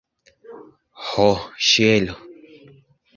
Ho, ĉielo!